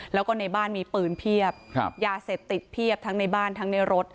แล้วก็ในบ้านมีปืนเพียบยาเสพติดเพียบทั้งในบ้านทั้งในรถ